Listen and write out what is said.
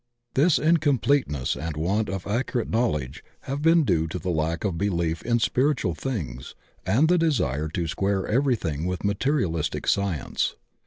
This incompleteness and want of ac curate knowledge have been due to the lack of belief in spiritual things and the desire to square everything with materialistic science.